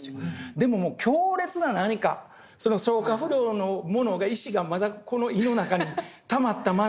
でも強烈な何かその消化不良のものが石がまだこの胃の中にたまったままであるというか。